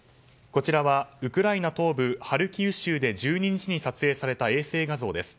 こちらは、ウクライナ東部ハルキウ州で１２日に撮影された衛星画像です。